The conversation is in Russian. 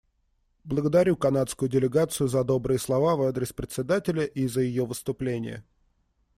Благодарю канадскую делегацию за добрые слова в адрес Председателя и за ее выступление.